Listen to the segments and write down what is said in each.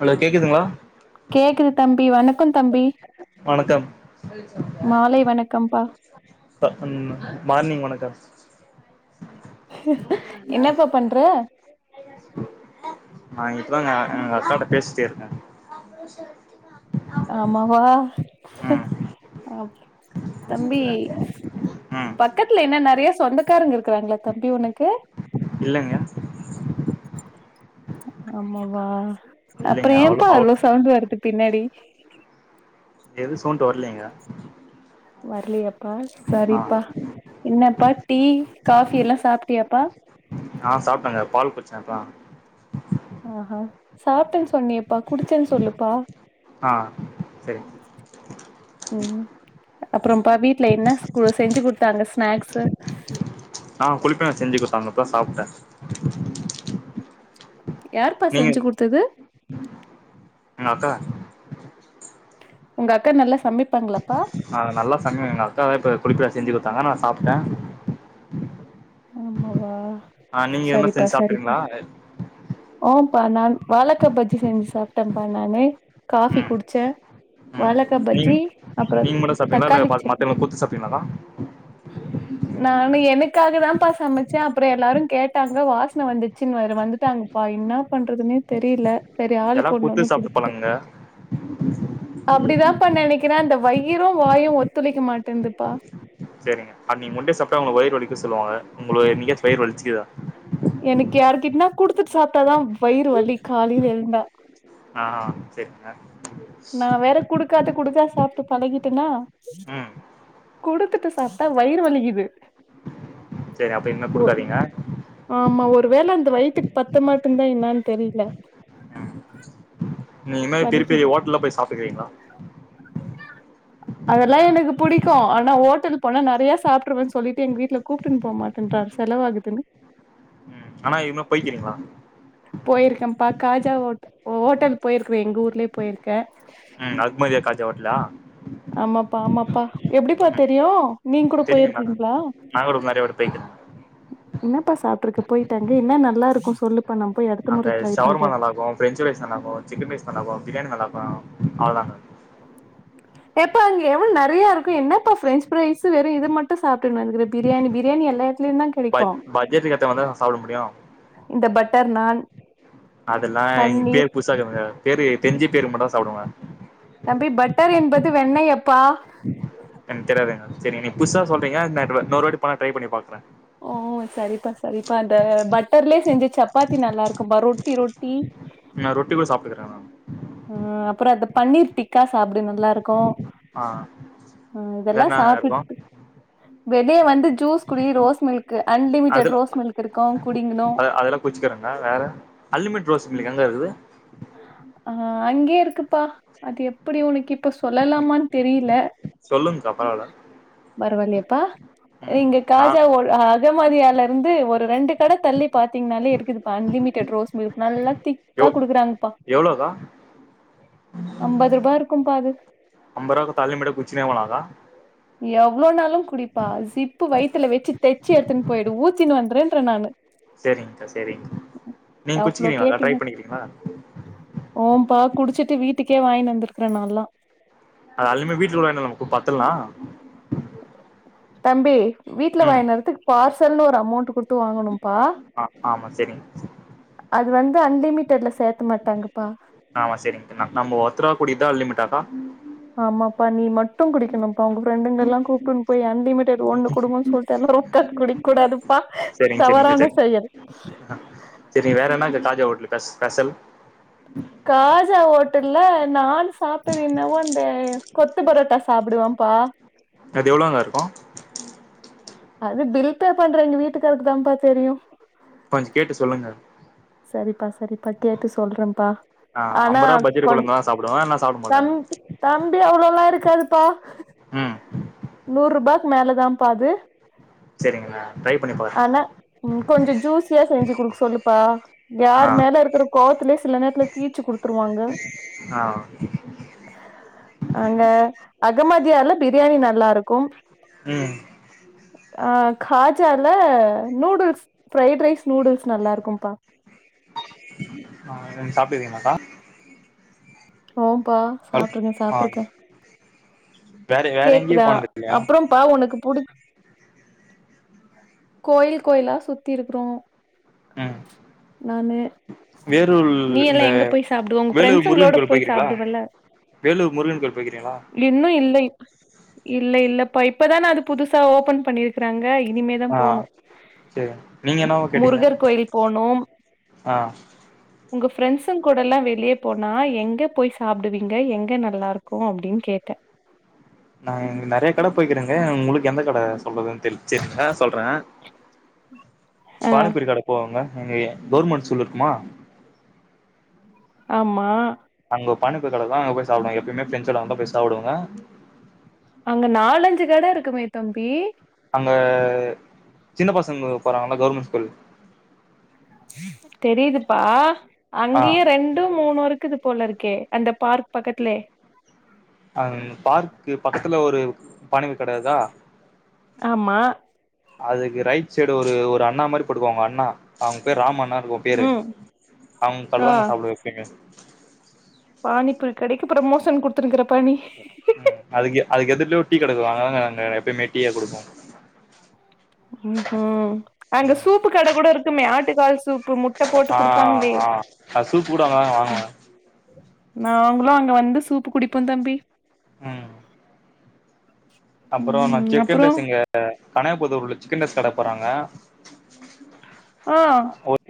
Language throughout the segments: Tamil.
ஹலோ கேக்குதுங்களா கேக்குது தம்பி வணக்கம் தம்பி வணக்கம் மாலை வணக்கம்ப்பா அ ம் மார்னிங் வணக்கம் என்னப்பா பண்ற [inaudible] நா இப்பதான்ங்க எங்க அக்காகிட்ட பேசிட்டே இருக்க ஆமாவா ஆ தம்பி ம் பக்கத்துல என்ன நெறைய சொந்தக்காரங்க இருக்கிறாங்களா தம்பி உனக்கு இல்லங்க ஆமாவா அப்பற இல்லைங்க ஏயப்பா அவ்ளோ சவுண்ட் வருது பின்னாடி எதும் சவுண்ட் வரலங்க வரலியாப்பா ஆ சரிப்பா என்னப்பா டீ காஃபி எல்லா சாப்ட்டியாப்பா ஆஹ்ன் சாப்ட்டங்க்கா பால் குடிச்ச இப்பதா ஆஹான் ம் சாப்பிட்டன்னு சொன்னியேப்பா குடிச்சன்னு சொல்லுப்பா சேரிங்க ம் அப்பறம்ப்பா வீட்டுல என்ன செஞ்சு குடுத்தாங்க ஸ்நாக்ஸு ஆஹ்ன் குளிப் பனியார செஞ்சு கொடுத்தாங்க இப்பதா சாப்ட்ட யார்ப்பா நீங்க செஞ்சு குடுத்தது எங்க அக்கா உங்க அக்கா நல்லா சமைப்பாங்களாப்பா ஆஹ்ன் நல்லா சமைக்கும் எங்க அக்கா தா இப்போ குளிப்பனியார செஞ்சு கொடுத்தாங்க நா சாப்ட்ட ஆமாவா ஆஹ நீங்க எதுன செஞ்சு சாப்ட்டுறீங்களா ஓம்ப்பா நான் வாழைக்கா பஜ்ஜி செஞ்சு சாப்பிட்டன்ப்பா நானு காஃபி ம் குடிச்ச ம் வாழக்கா நீங் பஜ்ஜி அப்றோ நீங்க மட்டு சாப்ட்டீங்களா இல்ல தக்காளி சட்னி மத்தவங்களுக்கு குடுத்து சாப்ட்டீங்களாக்கா [inaudible] நானு எனக்காக தாப்பா சமைச்சே அப்றோ எல்லாரு கேட்டாங்க வாசன வந்துச்சுனு வர வந்துட்டாங்க அப்பா என்ன பண்றதுன்னே தெரியல செரி எல்லா ஆளுக்கு ஒன்னு ஒன்னு குத்து சாப்ட்டு குடுத்துட்டே பழகுங்க அப்டிதாப்பா நெனைக்கிறே அந்த வயிரு வாயு ஒத்துழைக்க மாட்டேன்ந்துப்பா செரிங்க அ நீங்க முட்டே சாப்ட்டா உங்களுக்கு வயிறு வலிக்குனு சொல்லுவாங்க உங்களுக்கு என்னைக்காச்சு வயிறு வலிச்சிக்குதா எனக்கு யாருக்கிட்டனா குடுத்துட்டு சாப்ட்டாதா வயிறு வலி காலைல எழுந்தா ஆ செரிங்க நா வேற குடுக்காது குடுத்தா சாப்ட்டு பழகிட்டேனா ம் குடுத்துட்டு சாப் பிட்டா வயிறு வலிக்குது சேரி அப்ப இனிமே ஒ குடுக்காதீங்க ஆமா ஒருவேள அந்த வயித்துக்கு பத்த மாட்டுன்தா என்னானு தெரியல ம் இனிமே திருப்பி வலிக்குது ஓட்டல்ல போய் சாப்ட்டுக்கிறீங்களா [inaudible] அதெல்லா எனக்கு புடிக்கு ஆனா ஓட்டல் போனா நெறையா சாப்ட்ருவேன்னு சொல்லிட்டு எங்க வீட்ல கூட்டுன்னு போக மாட்டேன்றாரு செலவாகுதுன்னு ம் ஆனா இதுமாறி போய்க்கிறீங்களா போயிருக்கேப்பா காஜா ஓட் ஓட்டல் போயிருக்குறே எங்க ஊர்லயே போயிருக்கே ம் அக்மதியா காஜா ஓட்டலா ஆமாப்பா ஆமாப்பா எப்டிப்பா ம் தெரியு நீங்க கூட தெரியுங்கண்ணா போயிருக்கிறீங்களா நாங்க கூட நெறைய வாட்டி போய்க்கிறோ என்னப்பா சாப்ட்டுருக்கு போயிட்டு அங்க என்ன நல்லாருக்கு சொல்லுப்பா நா போய் அடுத்த முற ட்ரை பண்றே பிரென்ச் ஃபரைஸ் நல்லாருக்கு சிக்கன் ரைஸ் நல்லாக்கு பிரியாணி நல்லாக்கு அவ்ளதாங்க ஏப்பா அங்க எவ்ளோ நெறையா இருக்கு என்னப்பா ஃபிரெஞ்ச் ஃபிரரைஸ் வெறு இது மட்டு சாப்பிட்டு இருக்கிறே பிரியாணி பிரியாணி எல்லா எடத்துலயுந்தா கெடைக்கு பட் பட்ஜெட்டுக்கு ஏத்த மாரிதான நா சாப்பிட முடியு இந்த பட்டர் நான் அதெல்லா பன்னீர் பேரு புதுசாக்குதுங்க பேரு தெரிஞ்ச பேரு மட்டுதா சாப்டுவே தம்பி பட்டர் என்பது வெண்ணையப்பா எனக்கு தெரியாதுங்க சேரிங்க நீங்க புதுசா சொல்றீங்க நா இன்னொரு வாட்டி போனா ட்ரை பண்ணி பாக்குறே ஓ செரிப்பா செரிப்பா அந்த பட்டர்லே செஞ்ச சப்பாத்தி நல்லா இருக்கும்பா ரொட்டி ரொட்டி நா ரொட்டி கூட சாப்பிட்டுக்கிறேனா ம் அப்றோ அந்த பன்னீர் டிக்கா சாப்பிடு நல்லாருக்கு ஆ ம் வேற இதெல்லா என்னங்க சாப்பிட்டு இருக்கு வெளிய வந்து ஜூஸ் குடி rose milk unlimited rose milk இருக்கு குடிங்கணு வச்சுக்கறேங்க வேற அன்லிமிட் ரோஸ் மில்க் எங்க இருக்குது ஆ அங்கயே இருக்கு ப்பா அது எப்டி உனக்கு இப்ப சொல்லலாமான்னு தெரியல சொல்லுங்க்கா பரவால்ல பரவாலயாப்பா ம் இங்க நா காஜா ஓ ஆ அகமதியால இருந்து ஒரு ரெண்டு கட தள்ளி பாத்தீங்கனாலே இருக்குதுப்பா அன்லிமிடட் ரோஸ் மில்க் நல்லா திக்கா குடுக்குறாங்க எவ்ளோகா அம்பது ரூபா இருக்கும்பா அது அம்பது ரூவா குடுத்தா அன்லிமிட்டா குடுச்சிட்டே இருக்கலாமப்பா எவ்ளோனாலு குடிப்பா சிப்பு வயித்துல வச்சு தெச்சு எடுத்துன்னு போயிடு ஊத்தின்னு வந்துருன்றே நானு சேரிங்கா சேரி சேரிங்கா நீங்க எவ்ளோ குச்சிக்கிறீங்களாக்கா ட்ரை கேட்டீங்க பண்ணிக்கிறீங்களா ஓம்பா குடிச்சிட்டு வீட்டுக்கே வாங்கினு வந்திருக்கறே நான்லா அது அலுமே [unintelligible] வீட்டுல உள்ள என்ன நம்மக்கு பத்தலனா தம்பி வீட்ல ம் வாங்கினு வரதுக்கு பார்சல்னு ஒரு அமௌண்ட் குடுத் து வாங்கணும்ப்பா ஆ ஆமா சரிங்க அது வந்து அன்லிமிடட்ல சேக்க மாட்டாங்கப்பா ஆமா சேரிங்கா நம்ம ஒருத்தரா குடிக்றதுதா அன்லிமிடடாக்கா ஆமாப்பா நீ மட்டு குடிக்கணும்ப்பா உங்க ஃப்ரெண்டுங்கள எல்லா கூப்பிட்டுனு போயி அன்லிமிடட் ஒன்னு குடுங்கன்னு சொல்ட்டு எல்லாரு [unintelligible] குடிக்க கூடாதுப்பா தவறான செயல் சேரிங்க வேற என்னங்க காஜா ஹோட்டல் பெஷ் ஸ்பெஷல் காஜா ஹோட்டல்ல நான் சாப்பிட்டது என்னவோ அந்த கொத்து பரோட்டா சாப்பிடுவேன்ப்பா அது எவ்வளோங்க இருக்கு அது பில் பே பண்ற எங்க வீட்டுக்காருக்கு தாப்பா தெரியு கொஞ்சோ கேட்டு சொல்லுங்க சேரிப்பா சேரிப்பா கேட்டு சொல்றம்ப்பா ஆ ஆனா அம்பரூவா பஜ்ஜில கொஞ் கொழம்பு தா சாப்டுவே இல்லனா சாப்ட மாட்டே தம் தம்பி அவ்ளோல்லா இருக்காதுப்பா ம் நூறு ரூபாக்கு மேலதாம்ப்பா அது சேரிங்கலா ஆனா கொஞ்சோ ஜூசியா செஞ்சு குடுக்க சொல்லுப்பா ஆ யார் மேல இருக்கற கோவத்துலயே சில நேரத்துல தீச்சு குடுத்துருவாங்க ஆ அங்க அகமதியார்ல பிரியாணி நல்லாருக்கு ம் ஆ காஜால நூடுல்ஸ் ஃப்ரைட் ரைஸ் நூடுல்ஸ் நல்லாருக்கும்ப்பா ஆ நீங்க சாப்ட்டுருக்கீங்களாக்கா ஓம்பா ஹலோ சாப்ட்ருக்கே ஆ சாப்ட்ருக்கே வேற வேற எங்கேயு கேக்குதா போனது இல்லையா அப்றம் பா உனக்கு புடிச் கோயில் கோயிலா சுத்திருக்கிறோ ம் நானு வேலூர் நீ எல்லா இந்த எங்க போய் சாப்பிடுவ உங்க வேலூர் முருகன் ஃபிரெண்ட்ஸுங்களோட கோயில் போய் போய்க்கிறீங்களா சாப்டுவல்ல வேலூர் முருகன் கோயில் போயிருகீங்களா இன்னு இல்லை இல்ல இல்லப்ப இப்பதானா அது புதுசா ஓபன் பண்ணிருக் க்கறாங்க இனிமேதா ஆ போனு சேரி நீங்க என்னவோ கேட்டீங்க முருகர் கோயில் போனு ஆ உங்க ஃப்ரெண்ட்ஸுங்க கூட எல்லா வெளியே போனா எங்க போய் சாப்டுவீங்க எங்க நல்லா இருக்கு அப்டின்னு கேட்டே நா இங்க நெறைய கட போய்கிறேங்க உங்களுக்கு எந்த கட சொல்லறதுன்னு தெரி சேரி ஆ சொல்றே ஆ பானிப்புரி கட போவாங்க அங்க கவர்மெண்ட் ஸ்கூல் இருக்குமா ஆமா அங்க பணிப்புரி கட இருக்கு அங்க போய் சாப்டுவங்க எப்பயுமே பிரெண்டசோட அங்க தா போய் சாப்டுவங்க அங்க நாலஞ்சு கட இருக்குமே தம்பி அங்க சின்ன பசங்க போறாங்கா கவர்மெண்ட் ஸ்கூல் தெரியுதுப்பா ஆ அங்கயே ரெண்டு மூணு இருக்குது போல இருக்கே அந்த பார்க் பக்கத்துலே ஆ பார்க்கு பக்கத்துல ஒரு மாரி பூரி கட இருக்கா ஆமா அதுக்கு ரைட் சைடு ஒரு ஒரு அண்ணா மாரி போட்டுருக்கு அவங்க அண்ணா அவங்க பேர் ராம் அண்ணானு [unintelligible] பேரு ம் அவங்க ஆ கடைலதா நா சாப்டுவே எப்பிமே பானி பூரி கடைக்கு புரமோஷன் குடுத்துருக்கறப்பா நீ ம் அதுக்கு அதுக்கு எதுரலய ஒரு டீ கட இருக்கு அங்கதங்க நாங்க எப்பயுமே டீய குடிப்போ ம்ஹும் அங்க ம் சூப்பு கட கூட இருக்குமே ஆட்டுக்கால் சூப்பு முட்ட போட்டு ஆ குடுப்பாங்களே ஆ அது சூப் கூட அங்கதாங்க வாங்குவ நாங்களு அங்க வந்து சூப்பு குடிப்போ தம்பி ம் அப்றோ ம் சிக்கன் அப்றோ ரைஸ் இங்க கனையபுத்தூர்ல சிக்கன் ரைஸ் கட போட்றாங்க ஆ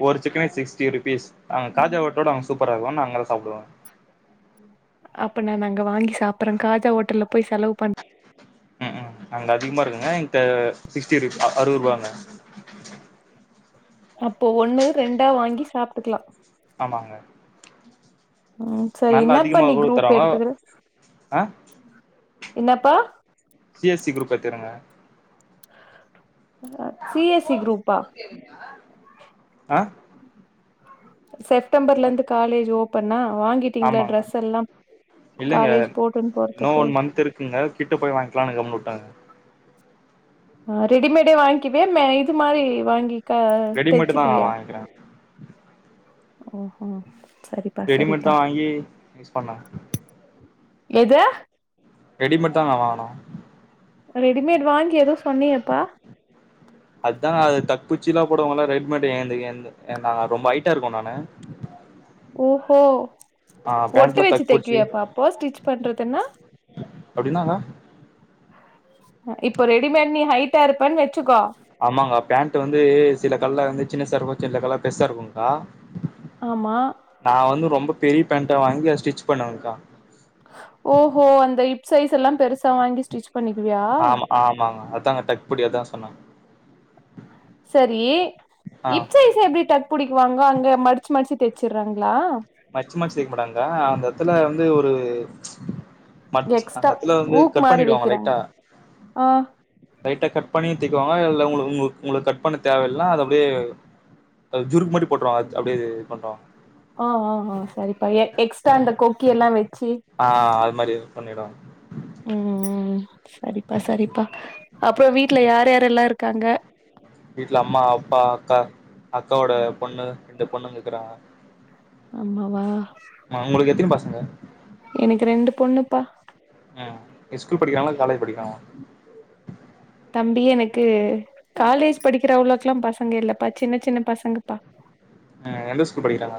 ஒரு சிக்கன் ரைஸ் சிக்ஸ்டி ருபீஸ் அங்க காஜாஓட்டோட அங்க சூப்பரா இருக்கு நா அங்கதா சாப்டுவோ அப்ப நானு அங்க வாங்கி சாப்ட்டுறே காஜா ஹோட்டல்லல போய் செலவு பண் ம் ம் அங்க அதிகமா இருக்குங்க இந்த சிக்ஸ்டி ருபீஸ் அறுவது ரூபாங்க அப்போ ஒண்ணு ரெண்டா வாங்கி சாப்பிட்டுக்கலா ஆமாங்க ம் செரி நல்லா என்னப்பா அதிகமா நீ கூட குரூப் தராங்க எடுத்துக்கற ஆ என்னப்பா சி எஸ் சி குரூப் எத்துக்கரங்க சி எஸ் இ குரூப்பா ஆ செப்டம்பர்ல இருந்து காலேஜ் ஓப்பனா வாங்கி டிங்களா ஆமாங்க டிரெஸ் எல்லா காலேஜ் போட்டுன்னு போறதுக்கு ங்க கிட்ட போய் வாங்கிக்கலான்னு கம்னு விட்டாங்க ஆ ரெடிமேடே வாங்க்கிவியா இது மாரி வாங்கி ரெடிமேட் தா தெச்சுக்குவியா வாங்கிக்கிறே ம்ஹூம் செரி ரெடிமேட் தா வாங்கி யூஸ் பண்ணே எது ரெடிமேட் தா நா வாங்ணு ரெடிமேட் வாங்கி எதோ சொன்னீயேப்பா அதுதா அது டக் புடிச்சுலா போடுவாங்கல்ல ரெடிமேட் ஏந்த நா ரொம்ப ஹட்டா இருக்கு நானு ஓஹோ ஆ ஒட்டு பேண்ட்ல வெச்சு தக்பூச்சி தைக்குவியாப்பா அப்போ ஸ்டிச் பண்றதுன்னா அப்டின்னாங்க இப்ப ரெடிமேட் நீ ஹைட்டா இருப்பேன்னு வெச்சுக்கோ ஆமாங்கா பேண்ட்டு வந்து சில கட்ல வந்து சின்ன [unintelligible] பெர்சா இருக்குங்க்கா ஆமா நா வந்து ரொம்ப பெரிய பேண்டா வாங்கி அத ஸ்டிச் பண்வேக்கா ஓஹோ அந்த ஹிப் சைஸ் எல்லா பெருசா வாங்கி ஸ்டிச் பண்ணிக்குவியா ஆமா ஆமாங்க அதாங்க டக் புடி அதா சொன்ன செரி ஆ இப்சைஸ் எப்டி டக் புடிக்குவாங்க அங்க மடிச்சு மடிச்சு தைச்சறாங்களா மடிச்சு மடிச்சு தெக்க மாட்டாங்க்கா அந்த எத்துல வந்து ஒரு மச் அந்த எக்ஸ்ட்ரா யத்துல வந்து ஊக் கட் மாரி பண்ணிடுவாங்க வைக்கிறாங்க லைட்டா ஆ லைட்டா கட் பண்ணியு திக்குவாங்கலா இல்ல உங்ளுக்கு உங்ளுக்கு உங்களுக்கு கட் பண்ண தேவயில்லனா அது அப்டியே அது ஜுருக்கு மாரி போட்றவா அது அப்டியே பண்றோ ஆ ஆ ஆ சரிப்பா எக்ஸ்டரா அந்த கொக்கி எல்லா வச்சி ஆ அது மாரி எதுவு பண்ணிடுவாங்க ம் சரிப்பா சரிப்பா அப்புறோ வீட்ல யார் யாரெல்லா இருக்காங்க வீட்ல அம்மா அப்பா அக்கா அக்காவோட பொண்ணு ரெண்டு பொண்ணுங்க இருக்குறாங்க ஆமாவா ஆ ஒங்களுக்கு எத்தினி பசங்க எனக்கு ரெண்டு பொண்ணுப்பா ம் எஸ்கூல் படிக்கிறாங்களா காலேஜ் படிக்கிறாங்களா தம்பி எனக்கு காலேஜ் படிக்கிற அவ்ளவுக்குலா பசங்க இல்லப்பா சின்ன சின்ன பசங்கப்பா ஆ எந்த ஸ்கூல் படிக்கிறாங்க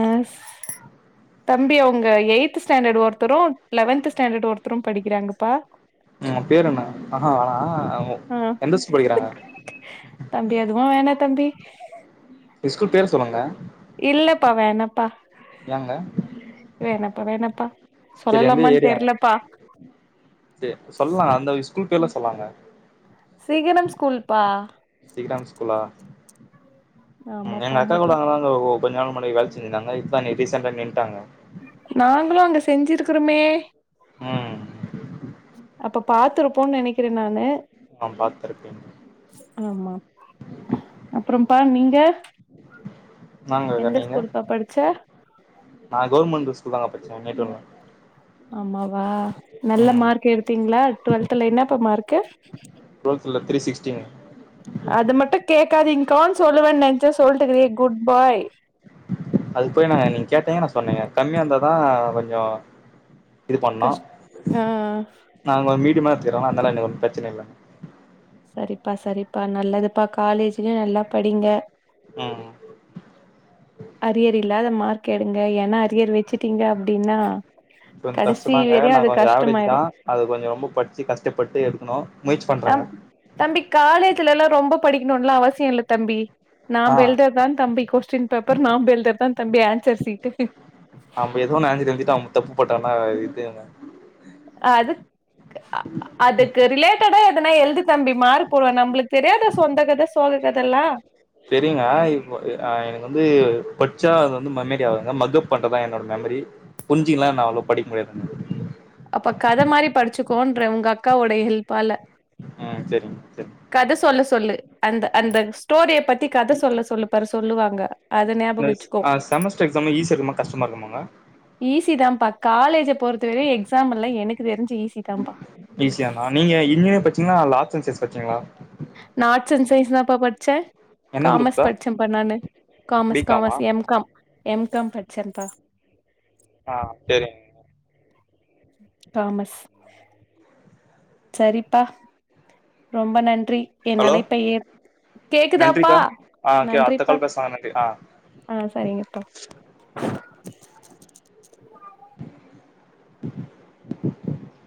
ஆஸ் தம்பி அவ்ங்க எயித் ஸ்டாண்டர்ட் ஒர்த்தரு லெவன்த் ஸ்டாண்டர்ட் ஒர்த்தரு படிக்கிறாங்கப்பா அவங்க பேரு என்ன ஆ ஹூ வேணா ஆ எந்த ஸ்கூல் படிக்கிறாங்க தம்பி அதுவு வேணா தம்பி எஸ்கூல் பேர் சொல்லுங்க இல்லப்பா வேணாப்பா ஏங்க வேணாப்பா வேணாப்பா செரி எந்த சொல்லலாமான் ஏரியாங்க தெர்லப்பா செர் சொல்லா அந்த ஸ்கூல் பேர்ல சொல்லாங்க சிகரம் ஸ்கூல்ப்பா சிகரம் ஸ்கூலா ஆமாப்பா எங்க அக்கா கூட ஆமாப்பா அங்கதா ஓ ஓ கொஞ்ச நாள் முன்னாடி வேல செஞ்சிருந்தாங்க இப்ப அங் ரீசெண்டா நின்ட்டாங்க நாங்களு அங்க செஞ்சிருக்குறோமே ம் அப்ப பாத்துருப்போன் நெனைக் கிறே நானு அ பாத்திருப்பீங்க ஆமா அப்புறோம்பா நீங்க நாங்கக்கா எந்த நீங்க ஸ்கூல்ப்பா படிச்ச நா கவுர்மெண்ட் ஸ்கூல் தாங்க பட்ச்சே நேட்டூர்ல ஆமாவா நல்ல மார்க் எடுத்தீங்களா டுவெல்த்ல என்னப்பா மார்க்கு டுவெல்த்ல த்ரிசிக்ஸ்டீன் அது மட்டு கேக்காதிங்க்கான் சொல்லுவே நென்ச்சே சொல்லிட்ருக்கியே குட் பாய் அதுக்கு போய் நா நீங்க கேட்டீங்க நா சொன்னேங்க கம்மியா இருந்தாதா கொஞ்சோ இது பண்ணோ கஷ் ஆ நாங் கொ மீடியமா எடுத்துக்கிறோன அதனால எனக்கு ஒன்னு பிரச்சன இல்ல சரிப்பா சரிப்பா நல்லதுப்பா காலேஜ்லயு நல்லா படிங்க ம் அரியர் இல்லாத மார்க் எடுங்க ஏன்னா அரியர் வச்சுட்டீங்க அப்டின்னா கொஞ்சொ கஷ்ட கடைசி தாங்க வரையு நா அது கொஞ்சொ ஆவ்ரேஜ் தா கஷ்டமாயிரு அது கொஞ்சோ ரொம்ப படிச்சி கஷ்டப்பட்டு எடுக்கணு முயற்சி பண்றேங்க தம் தம்பி காலேஜ்ல எல்லா ரொம்ப படிக்கணுன்லா அவசிய இல்ல தம்பி ஆ நாம்பெல்தர் தா தம்பி கொஸ்டின் பேப்பர் நாம்பெல்தர் தா தம்பி ஆன்சர் சீட்டு நம்ப எதோ ஒன்னு ஆன்ஸர் எழுதிட்டு அவங்க தப்புப்போட்டனா இது என்ன அதுக்கு அ அதுக்கு ரிலேட்டடா எதனா எழுதி தம்பி மார் போடுவ நம்புளுக்கு தெரியாத தம்பி சொந்த கத சோக கதை எல்லா செரிங்க இப்ப அ எனக்கு வந்து பச்சா அ வந்து மெமரி ஆகுதுங்க மக்கப் பண்றதுதா என்னோட மெமரி புரிஞ்சிக்கிலா என்ன அவ்ளோ படிக்க முடியாதுங்க அப்ப கத மாரி படிச்சுக்கோன்றே உங்க அக்காவோட ஹெல்ப்பால ம் சேரிங் கத சொல்ல சொல்லு அந்த அந்த ம் ஸ்டோரிய பத்தி கத சொல்ல சொல்லு பரு சொல்லுவாங்க அத இந்த ஞாபகம்ச்சுக்கோ ஆ செமஸ்டர் எக்ஸாமே ஈஸி இருக்குமா கஷ்டமா இருக்குமாங்க ஈஸி தாப்பா காலேஜ பொறுத்த வரை எக்ஸாம் எல்லா எனக்கு தெரிஞ்சு ஈஸி தாப்பா ஈஸியானா நீங்க இன்ஜினியர் படிச்சீங்களா லா சன் சயின்ஸ் படிச்சீங்களா நா ஆட்ஸ் அண்ட் சயின்ஸ் தா பாா படிச்சே என்ன காமர்ஸ் குரூப்க்கா படிச்சேப்பா நானு பி காமர்ஸ் காமா commerce M com M com படிச்சேப்பா ஆ சேரிங் தாமஸ் சரிப்பா ரொம்ப நன்றி என் ஹலோ அழைப்பை ஏத் கேக்குதாப்பா நன்றிக்கா ஆ ஓகே அடுத்த நன்றிப்பா கால் பேசலா நன்றி ஆ ஆ சரிங்கப்பா [inaudible]